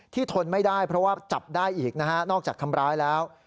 ทนไม่ได้เพราะว่าจับได้อีกนะฮะนอกจากทำร้ายแล้ว